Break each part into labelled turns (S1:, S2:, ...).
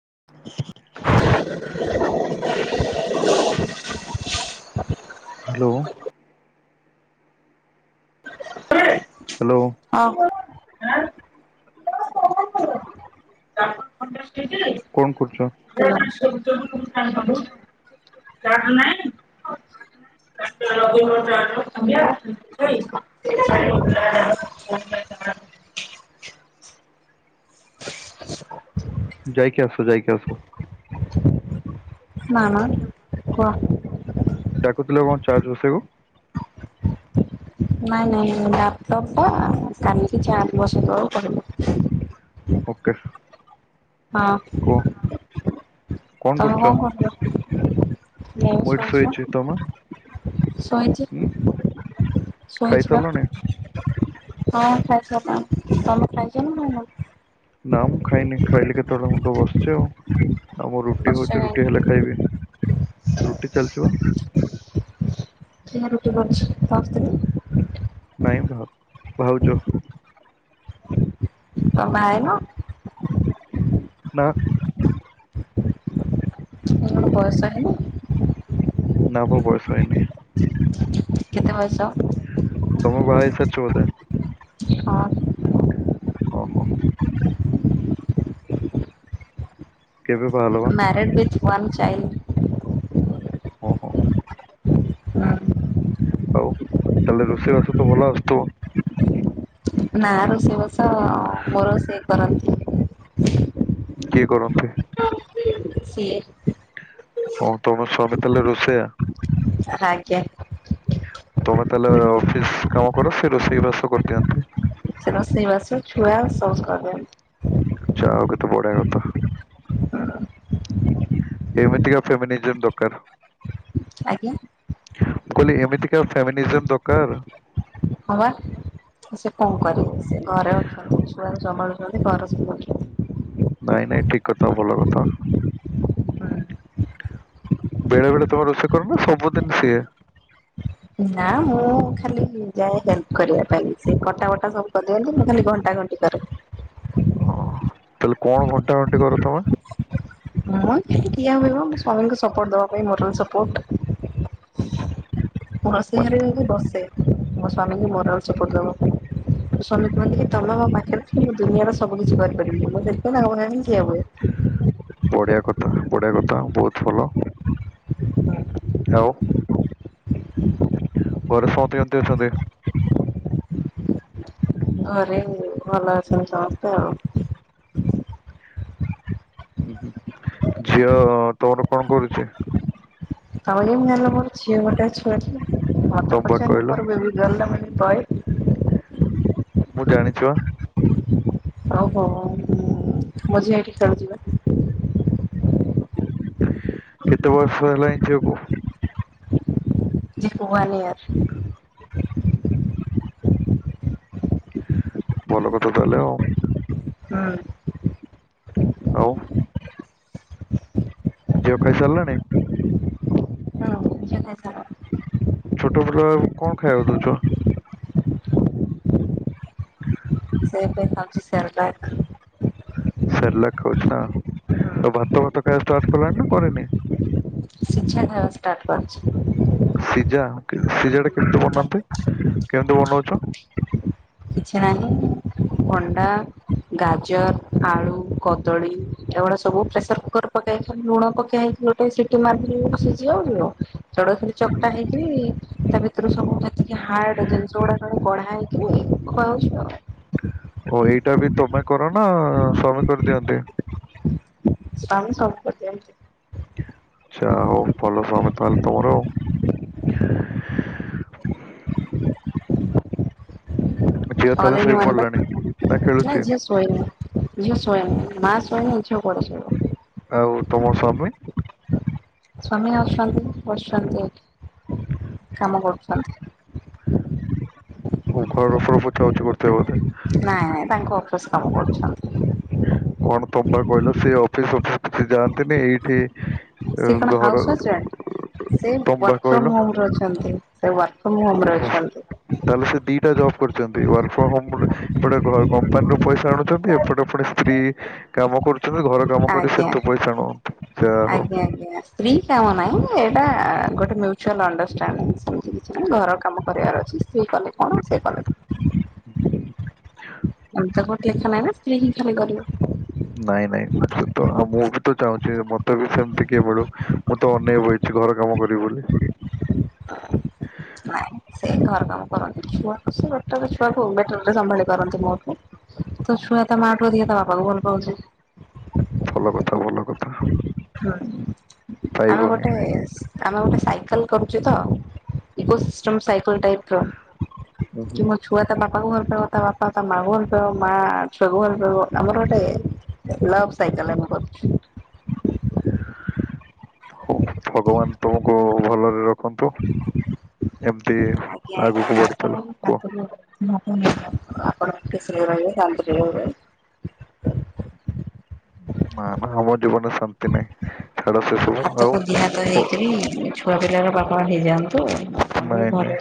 S1: [inaudible] Hello hello
S2: ଅ ନାଇଁ
S1: କଣ କରୁଛ?
S2: [unintelligible] [unintelligible] [inaudible] [inaudible]
S1: ଯାଇକି ଆସ ଯାଇକି ଆସ।
S2: ନା ନା କୁହ।
S1: ଡାକୁୁଥିଲେ କଣ ଚାର୍ଜ ବସେଆକୁ
S2: ନାଇଁ ନାଇଁ ନାଇଁ ଲାପଟପ୍ ଟା କାଲିକି ଚାର୍ଜ ବସିଇ ଦବାକୁ କହିଲେ।
S1: ଓକେ।
S2: ହଁ ତମେ
S1: କୁହ
S2: କଣ କରୁଛ? ମୁଁ ଶୋଇଛି ବା ଶୋଇଚ଼ି
S1: ହୁଁ
S2: ଶୋଇଚ଼ିବା ହଁ ଖାଇ
S1: ଖାଇସାରିଲଣି?
S2: ସାରିଲାଣି ତମେ ଖାଇଛ ନା ଖାଇନ
S1: ନା ମୁଁ ଖାଇନି ଖାଇଲି କେତେବେଳେ ମୁ ତ ବସିଛି ଆଉ ଆମର ରୁଟି
S2: ବସିଛ
S1: ଭଜା ରୁଟି
S2: ଯାଇକି
S1: ହେଲେ ଖାଇବି ରୁଟି ଚାଲିଛି ପା
S2: [inaudible] ରୁଟି କରଛିି ସମସ୍ତେ
S1: ନାଇଁ ଭ ଭାଉଛ
S2: ତମେ ଆଇନ
S1: ନା
S2: ତମର ବୟସ ହେଇନି
S1: ନାବା ବୟସ ହୋଇନି
S2: କେତେ ବୟସ
S1: ତମେ ବାହା ହେଇ ଥା ଚଉଦଆ
S2: ହଁ
S1: ଓ ହୋ କେବେ ବାହାହେଲ ବା
S2: ମ୍ୟରଡ଼ ବିଥ ୱଆନ ଚାଇଲ୍ଡ
S1: ହଁ ହୋ ହଉ ତାହେଲେ ରୋଷେଇ ବାସ ତ ଭଲ ଆସୁଥିବ
S2: ନା ରୋଷେଇ ବସ ମୋର ସେ କରନ୍ତି
S1: କିଏ କରନ୍ତି
S2: ସିଏ
S1: ହଉ ତମ ସ୍ୱାମୀ ତାହେଲେ ରୋଷେଇଆ।
S2: ଆଜ୍ଞା।
S1: ତମେ ତାହେଲେ ଅଫିସ କାମ କର ସେ ରୋଷେଇ ବାସ କରିଦିଅନ୍ତି।
S2: ସେ ରୋଷେଇ ବାସ ଛୁଆ ସବୁ କରି ଦିଅନ୍ତି।
S1: ଯାହା ହଉ କେତେ ବଢିଆ କଥା। ଏମିତିକା ଫେମିନିଜମ ଦରକାର।
S2: ଆଜ୍ଞା।
S1: ମୁଁ କହିଲି ଏମିତିକା ଫେମିନିଜମ୍ ଦରକାର।
S2: ହଁ ବା ସେ କଣ
S1: ହୁଁ,
S2: କରିବେ ସେ ଘରେ ଅଛନ୍ତି ଛୁଆକୁ ସମ୍ଭାଳୁଛନ୍ତି ଘର ସବୁ ଅଛନ୍ତି।
S1: ନାଇଁ ନାଇଁ ଠିକ କଥା ଭଲ କଥା। ବେଳେ ବେଳେ ତମେ ରୋଷେଇ କରନା ସବୁଦିନ ସିଏ।
S2: ନା ମୁଁ ଖାଲି ଯାଏ ହେଲ୍ପ କରିବା ପାଇଁ ସେ କଟା ବଟା ସବୁ କର ଦିଅନ୍ତି ମୁଁ ଖାଲି ଘଣ୍ଟା ଘଣ୍ଟି କରେ
S1: ଓ ତାହଲେ କଣ ଘ
S2: [inaudible]
S1: ହୁଁ ହୁଁ।
S2: ମୁ ରୋଷେଇ
S1: ମାନେ
S2: ଘରେ ଯାଇକି ବସେ ମୋ ସ୍ଵାମୀ କି
S1: ହୁଁ, ହୁଁ,
S2: ମୋରାଲ ସପୋର୍ଟ ଦବା ସ୍ୱାମୀ କୁହନ୍ତି କି ତମେ ମୋ ପାଖରେ ଥିଲେ ମୁଁ ଦୁନିଆର ସବୁ କିଛି କରିପାରିବି ମୁଁ ସେଥିପାଇଁ ତାଙ୍କ ପାଖରେ ଠିଆ ହୁଏ।
S1: ବଢିଆ କଥା ବଢିଆ କଥା ବହୁତ ଭଲ। ଆଉ। ଘରେ ସମସ୍ତେ କେମିତି ଅଛନ୍ତି?
S2: ଘରେ ଭଲ ଅଛନ୍ତି ସମସ୍ତେ ଆଉ।
S1: ଉୁଁ ହୁଁ ଝିଅ ତମର କଣ କରୁଛି?
S2: ତମେ କେମିତି ଜାଣିଲ ମୋର ଝିଅ ଗୋଟେ ଛୁଆ ଟେ ମତେ
S1: ତମେ ବା
S2: ପଚାରିଲ
S1: କହିଲ
S2: ମୋର ବେବି ଗାର୍ଲ ନା ବଏ।
S1: ମୁଁ ଜାଣିଛି ପା।
S2: ଆଉ ହ ମ ଝିଅ ଏଠି ଖେଳୁଚି ବା।
S1: କେତେ ବର୍ଷ ହେଲାଣି ଝିଅ କୁ?
S2: ଝିଅକୁ ୱାନ ୟର।
S1: [inaudible] ଭଲ କଥା ତାହଲେ ଆଉ।
S2: ହୁଁ।
S1: ଆଉ। ଝିଅ ଖାଇସାରିଲାଣି?
S2: ହଁ ଝିଅ ଖାଇସାରିଲାଣି।
S1: ଛୋଟ ପିଲା କଣ ଖାଇବାକୁ ଦଉଚ?
S2: ସେ ଏବେ ଖାଉଛି ସେରଲାକ
S1: ସେରଲାକ ଖାଉଛି ନା ଆଉ ଭାତ ଫାତ ଖାଇବା ଷ୍ଟାର୍ଟ କଲାଣି ନା କରିନି।
S2: ସିଝା ଖାଉଛି। ଷ୍ଟାର୍ଟ କରିଛି।
S1: ସିଜା ସିଝା ଟା କେମିତି ବନାନ୍ତି କେମିତି ବନଉଛ?
S2: କିଛି ନାହିଁ। ଭଣ୍ଡା, ଗାଜର, ଆଳୁ, କଦଳୀ ଏଗୁଡ଼ା ସବୁ ପ୍ରେସର କୁକର୍ ପଟେ ଲୁଣ ପକେଇ କି ଗୁଟେ ସିଟି ମାର ଦେଇ ସିଝିହେଇଯିବ ସେଇରା ଖାଲି
S1: ହୁଁ ହୁଁ।
S2: ଚକଟା ହେଇକି ତା ଭିତରୁ ସବୁ ସେତିକି ହାର୍ଡ ଜିନିଷ ଗୁଡାକ କଢ଼ା ହେଇକିରି ଖୁଆହଉଛି ତ।
S1: ଓ ଏଇଟା ବି ତମେ କର ନା ସ୍ୱାମୀ କରିଦିଅନ୍ତି।
S2: ସ୍ୱାମୀ ସବୁ କରିଦିଅନ୍ତି।
S1: ଆଛା ହଉ ଭଲ ସ୍ୱାମୀ ତାହେଲେ ତମର ଝିଅ ତାହେଲେ
S2: ଅଲ ଇନ
S1: ଶୋଇ
S2: ୱାନ ପା
S1: ପଡିଲାଣି ନା
S2: ଯା
S1: ଖେଳୁଛି
S2: ଝିଅ ଶୋଇନି ଝିଅ ଶୋଇନି ମା ଶୋଇନି ଝିଅ କୁଆଡୁ ଶୋଇବ।
S1: ଆଉ ତମ ସ୍ୱାମୀ
S2: ସ୍ୱାମୀ ଅଛନ୍ତି ବସୁଛନ୍ତି ଏଠି କାମ କରୁ ସ୍ୱାମୀ [inaudible]
S1: ଘର ଉପର ପୋଛା ପୁଛି କରୁଥିବେ ବୋଧେ
S2: ନାଇଁ ନାଇଁ ତାଙ୍କ ଅଫିସ କାମ କରୁଛନ୍ତି।
S1: କଣ ତମବା କହିଲ ସେ ଅଫିସ ଅଫିସ କିଛି ଯାଆନ୍ତିନି ଏଇଠି ଅ,
S2: ସେ କଣ
S1: ଘର
S2: ହାଉସ୍ ଏଜେଣ୍ଟ ସେ
S1: ତମେ ବା
S2: ୱାର୍କ
S1: କହିଲ
S2: ଫ୍ରମ ହୋମରେ ଅଛନ୍ତି ସେ ୱାର୍କ ଫ୍ରମ୍ ହୋମରେ
S1: ଓହୋ
S2: ଅଛନ୍ତି।
S1: ତାହେଲେ ସେ ଦିଟା ଜବ୍ କରିଛନ୍ତି ୱାର୍କ ଫ୍ରମ ହୋମ ଏପଟେ କମ୍ପାନୀ ର ପଇସା ଆଣୁଛନ୍ତି ଏପଟ ଏପଟ ସ୍ତ୍ରୀ କାମ କରୁଛନ୍ତି ଘର କାମ କରି
S2: ଆଜ୍ଞା।
S1: ସେତେ ପଇସା ନୁଅନ୍ତି।
S2: ଆଜ୍ଞା ଆଜ୍ଞା। ସ୍ତ୍ରୀ କାମ ନାହିଁ ଏଇଟା ଗୋଟେ ମ୍ୟୁଚୁଆଲ ଅଣ୍ଡରାଷ୍ଟାଣ୍ଡିଙ୍ଗ ସେମିତି କିଛି ନାହିଁ ଘର କାମ କରିବାର ଅଛି। କଲେ କଣ ସେ କଲେ
S1: ହୁଁ
S2: [inaudible] ଲେଖାହି ନା ସ୍ତ୍ରୀ ହିଁ ଖାଲି କରିବ
S1: ନାଇଁ ନାଇଁ ସେ ତ ମୁଁ ବି ତ ଚାହୁଁଛି ମତେ ବି ସେମିତି କିଏ ମିଳୁ। ମୁଁ ତ ଅନେଇ ବଇଚି ଘର କାମ କରିବି ବୋଲି।
S2: ସେଇ ଘର କାମ କରନ୍ତିଟ ଛୁଆ ବେଟର ରେ ସମ୍ଭାଳ। କରନ୍ତି ମୋଠୁ ତ ଛୁଆ ତା ମାଠୁ ଅଧିକ ତା ବାପାଙ୍କୁ ଭଲ ପାଉଛି ବାପା କୁ ଅଧିକ ଭଲପାଉଛି।
S1: ଭଲ କଥା ଭଲ କଥା।
S2: ହୁଁ
S1: ପାଇବ
S2: ଆମେ
S1: ହିଁ
S2: ଗୋଟେ ଆମେ ଗୋଟେ ସାଇକେଲ କରୁଛୁ ତ ଇକୋ ସିଷ୍ଟମ ସାଇକେଲ ଟାଇପ
S1: ହୁଁ
S2: ର
S1: ହୁଁ।
S2: କିମ ଛୁଆ ତା ବାପାକୁ ଭଲପାଇବ ତା ବାପା ତା ମାଆଙ୍କୁ ଭଲ ପାଉ ମା ଛୁଆକୁ ଭଲପାଇବ ଆମର ଗୋଟେ ଲଭ୍ ସାଇକଲ ଆମେ କରୁଛୁ
S1: ହଉ ଭଗବାନ ତୁମକୁ ଭଲରେ ରଖନ୍ତୁ। ଏମିତି
S2: ଆଜ୍ଞା ଆଜ୍ଞା।
S1: ଆଗକୁ ବଢିଚାଲ
S2: ଆପଣଙ୍କ
S1: କୁହ।
S2: ହାତକୁ ଆପଣ ଖୁସିରେ ରହିବେ ଶାନ୍ତିରେ ରହିବେ
S1: [unintelligible] ନା ନା ଆମ ଜୀବନରେ ଶାନ୍ତି ନାହିଁ ଛାଡ ସେ ସବୁ ଆଉ
S2: ପୁଅପିଲାର ବାପା ମାଆ [inaudible]
S1: ନାଇଁ ନାଇଁ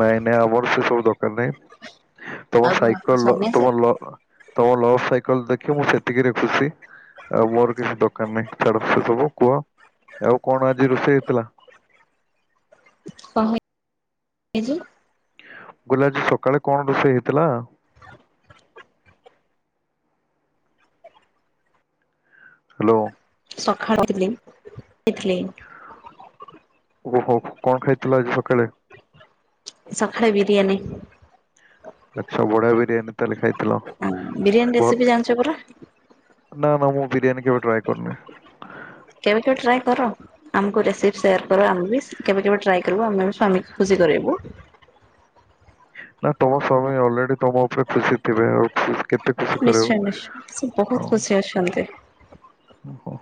S1: ନାଇଁ ନାଇଁ ଆମର ସେ ସବୁ ଦକାର ନାହିଁ। ତମ
S2: ଆଉ କଣ ଆପଣ
S1: ସାଇକେଲ
S2: ସନ୍ୟାସୀ
S1: ତମ ଲ ତମ ଲଭ ସାଇକେଲ ଦେଖି ମୁଁ ସେତିକିରେ ଖୁସି। ଆଉ ମୋର କିଛି ଦରକାର ନାହିଁ ଛାଡ ସେ ସବୁ କୁହ ଆଉ କଣ ଆଜି ରୋଷେଇ ହେଇଥିଲା।
S2: [unintelligible]
S1: ଗୁଲାଜୀ ସକାଳେ କଣ ରୋଷେଇ ହେଇଥିଲା। ହାଲୋ।
S2: ସକାଳୁ [unintelligible]
S1: ଓହ କଣ ଖାଇଥିଲ ଆଜି ସକାଳେ।
S2: ସଖାଳେ ବିରିୟାନୀ।
S1: ଆଚ୍ଛା ବଢିଆ ବିରିୟାନୀ ତାହେଲେ ଖାଇଥିଲ।
S2: ବିରିୟାନୀ ରେସିପି ଜାଣିଛ ପରା?
S1: ନା ନା ମୁଁ ବିରିୟାନୀ କେବେ ଟ୍ରାଏ କରୁନି।
S2: କେବେ କେବେ ଟ୍ରାଏ କର ଆମକୁ ରେସିପି ସେୟାର କର ଆମେ ବି କେବେ କେବେ ଟ୍ରାଏ। କରିବୁ ଆମେ ବି ସ୍ୱାମୀ କୁ ଖୁସି କରିବୁ।
S1: ନା ତମ ସ୍ୱାମୀ ଅଲରେଡି ତମ ଉପରେ ଖୁସି ଥିବେ ଆଉ ଖୁସି କରେଇବ
S2: ନିଶ୍ଚୟ ନିଶ୍ଚ ସେ
S1: ହଁ
S2: ବହୁତ ଖୁସି ଅଛନ୍ତି।
S1: ଓହୋ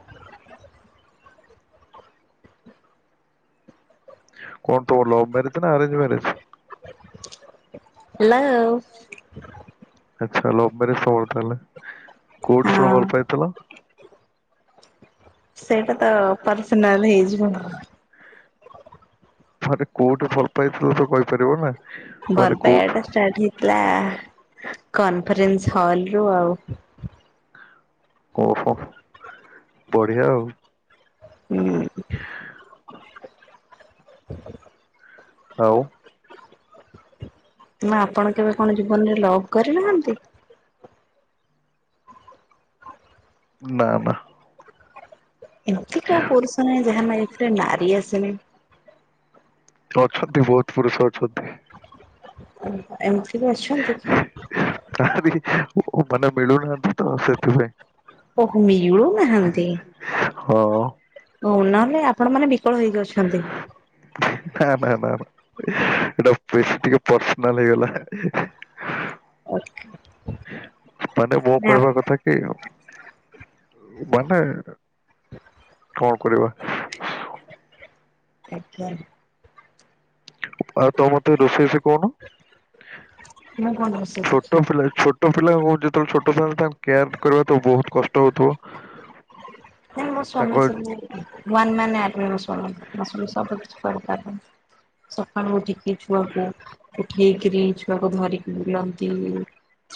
S1: କଣ ତୁମର ଲଭ ମ୍ୟାରେଜ ନା ଆରେଞ୍ଜ ମ୍ୟାରେଜ।
S2: ହେଲଓ
S1: ଆଚ୍ଛା ଲଭ ମ୍ୟାରେଜ୍ ସବୁ ତାହେଲେ କୋଉଠିଣ
S2: ହଁ
S1: ଭଲ ପାଇଥିଲ।
S2: ସେଇଟାତ ପର୍ସନାଲ ହେଇଯିବ।
S1: ଥରେ କୋଉଠି ଭଲ ପାଇଥିଲ ତ କହିପାରିବ ନା। ମାନେ
S2: ଭଲ ପାଇବା
S1: କୋଉଠୁ
S2: ଟା ଷ୍ଟାର୍ଟ ହେଇଥିଲା କନଫରେନ୍ସ ହଲ ରୁ ଆଉ।
S1: ଓହୋ ବଢିଆ ଆଉ। [inaudible]
S2: [inaudible]
S1: ଆଉ
S2: ନା ଆପଣ କେବେ କଣ ଜୀବନରେ ଲଭ୍ କରିନାହାନ୍ତି?
S1: ନା ନା।
S2: ଏମିତି କଉ ପୁରୁଷ ନାହିଁ ଯାହା ନାଇଫ୍ ରେ ନାରୀ ଆସିନି।
S1: ଅଛନ୍ତି ବହୁତ ପୁରୁଷ ଅଛନ୍ତି।
S2: ଓ ଏମିତି ବି ଅଛନ୍ତି?
S1: କାହାନ୍ତି ଓ ମାନେ ମିଳୁନାହାନ୍ତି। ତ ସେଥିପାଇଁ
S2: ଓହୋ ମିଳୁନାହାନ୍ତି।
S1: ହଁ।
S2: ହଉ ନହେଲେ ଆପଣ ମାନେ ବିକଳ ହେଇକି ଅଛନ୍ତି।
S1: [inaudible] ନା ନା ନା ନା ସେଟା ବେଶୀ ଟିକେ ପର୍ସନାଲ ହେଇଗଲା। ମାନେ ମୋ କହିବା କଥା ଏଇଆ ଆଉ ମାନେ କଣ କରିବା।
S2: ଆଜ୍ଞା।
S1: ଆଉ ତମେ ମତେ ରୋଷେଇ ସିକଉନ
S2: ମୁଁ କଣ ରୋଷେଇ
S1: ଛୋଟ
S2: ଶିଖିବି
S1: ପିଲା ଛୋ ଛୋଟ ପିଲାଙ୍କୁ ଯେତେବେଳେ ଛୋଟ ଛୁଆଙ୍କୁ ତାଙ୍କୁ କେୟାର କରିବା ତ ବହୁତ କଷ୍ଟ ହଉଥିବ।
S2: ନାଇ ମୋ
S1: ତାଙ୍କ
S2: ସ୍ୱାମୀ ସେମତୀ ୱାନ୍ ମ୍ୟାନ୍ ଆର୍ମି ମୋ ସ୍ୱାମୀ ସବୁ କିଛି କରିପାରିବେ। ସକାଳୁ ଉଠିକି ଛୁଆକୁ ଉଠେଇକିରି ଛୁଆକୁ ଧରିକି ବୁଲନ୍ତି।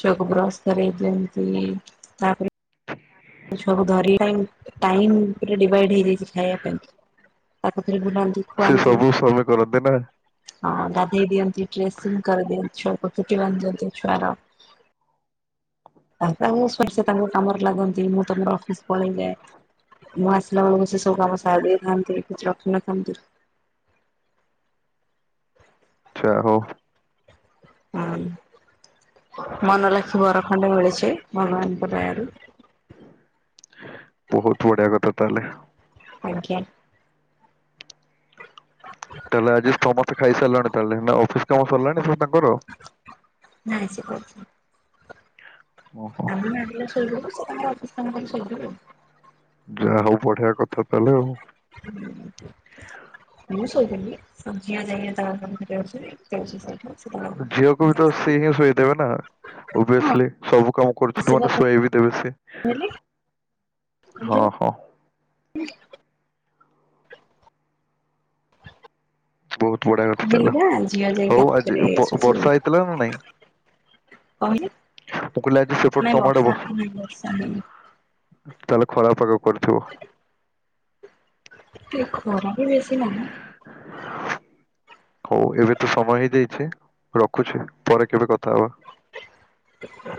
S2: ଛୁଆକୁ ବ୍ରସ୍ କରେଇ ଦିଅନ୍ତି ତାପରେ ମୁଁ ଛୁଆ କୁ ଧରିନାହିଁ ଟାଇମ ଡିଭାଇଡ ହେଇଯାଇଛି ଖାଇବା ପାଇଁ। ତାକୁ ଧରି ବୁଲାନ୍ତି।
S1: ସେ
S2: ଖୁଆନ୍ତି
S1: ସବୁ ସ୍ୱାମୀ କରନ୍ତି ନା।
S2: ହଁ ଗାଧେଇ ଦିଅନ୍ତି ଡ୍ରେସିଂ କରିଦିଅନ୍ତି ଛୁଆକୁ ଚୁଟିବାନ୍ଧି ଦିଅନ୍ତି ଛୁଆର। ତା ତାଙ୍କର [unintelligible] ତାଙ୍କ କାମରେ ଲାଗନ୍ତି ମୁଁ ତମର ଅଫିସ ପଳେଇଯାଏ। ମୁଁ ଆସିଲା ବେଳକୁ ସେ ସବୁ କାମ ସାରିଦେଇଥାନ୍ତି କିଛି ରଖିନଥାନ୍ତି।
S1: ଆଚ୍ଛା ହଉ।
S2: ହଁ ମନ ଲାଖି ବର ଖଣ୍ଡେ ମିଳିଛି ଭଗବାନଙ୍କ ଦୟାରୁ।
S1: ବହୁତ ବଢିଆ କଥା ତାହେଲେ
S2: ଆଜ୍ଞା। [inaudible]
S1: ତାହେଲେ ଆଜି ସମସ୍ତେ ଖାଇସାରିଲଣି ତାହେଲେ ନା ଅଫିସ କାମ ସରିଲାଣି ତାଙ୍କର।
S2: ନାଇଁ ସେ କରୁଛନ୍ତି।
S1: ଓହୋ
S2: ଆମେ ମାଆ ପିଲା ଶୋଇପଡ଼ିବୁ ସେ ତାଙ୍କ ଅଫିସ୍ କାମ କରି ଶୋଇପଡ଼ିବେ ଆଉ
S1: ଯାହା ହଉ ବଢିଆ କଥା ତାହେଲେ ଆଉ।
S2: [inaudible] ମୁଁ ଶୋଇପଡିବି [unintelligible]
S1: ଝିଅକୁ ବି ତ ସିଏ ହିଁ ଶୋଇଦେବେ ନା
S2: ହଁ
S1: ଓଭିଏସ୍ଲି ସବୁ କାମ କରୁଛି ତୁ
S2: ଆସିବା
S1: ମାନେ ଶୁଆଇବି ଦେବେ ସେ
S2: କହିଲେ
S1: ହଁ ହଁ।
S2: [inaudible]
S1: ବହୁତ ବଢିଆ କଥା
S2: କହିଲି
S1: ତାହେଲେ
S2: ବା ଝିଅ ଯାଇକି
S1: ହଉ ଆଜି
S2: ରାତିରେ ଶୋଇଛି
S1: ବ-ବର୍ଷା ହେଇଥିଲା ନା ନାଇଁ?
S2: କହିଲେ
S1: ମୁଁ କହିଲି ଆଜି ସେପଟେ
S2: ନାଇଁ
S1: ତମ ଆଡେ
S2: ବର୍ଷା
S1: ବ
S2: ନାଇଁ ବର୍ଷା ହେଇନି
S1: ତାହେଲେ ଖରା ପାଗ କରିଥିବ।
S2: ଏ ଖରା ବି ବେଶି ନାହିଁ।
S1: ହଉ ଏବେ ତ ସମୟ ହେଇଯାଇଛି ରଖୁଛି ପରେ କେବେ କଥା ହବା।
S2: [inaudible]